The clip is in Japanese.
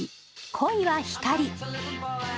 「恋は光」。